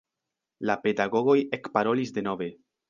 La pedagogoj ekparolis denove.